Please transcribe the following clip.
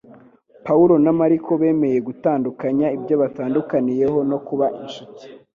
Pawulo na Mariko bemeye gutandukanya ibyo batandukaniyeho no kuba inshuti